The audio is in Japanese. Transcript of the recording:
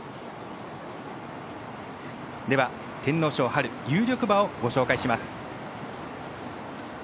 では、天皇賞、有力馬をご紹介します。